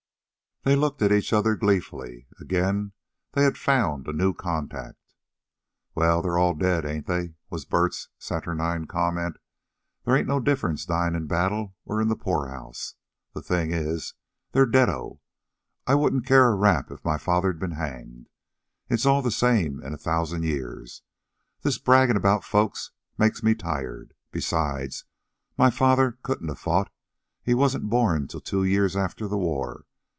They looked at each other gleefully. Again they had found a new contact. "Well, they're all dead, ain't they?" was Bert's saturnine comment. "There ain't no difference dyin' in battle or in the poorhouse. The thing is they're deado. I wouldn't care a rap if my father'd been hanged. It's all the same in a thousand years. This braggin' about folks makes me tired. Besides, my father couldn't a fought. He wasn't born till two years after the war.